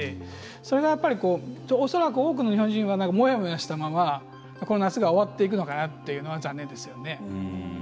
それが、恐らく多くの日本人はもやもやしたままこの夏が終わっていくのかなというのが残念ですよね。